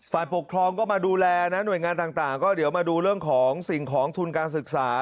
ฝ่ายปกครองก็มาดูแลนะหน่วยงานต่างก็เดี๋ยวมาดูเรื่องของสิ่งของทุนการศึกษา